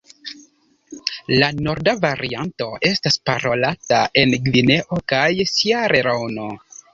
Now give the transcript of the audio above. La norda varianto estas parolata en Gvineo kaj Sieraleono.